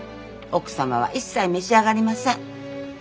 奥様は一切召し上がりません。